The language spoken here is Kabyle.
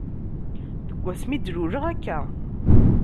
Deg wasmi d-luleɣ akka.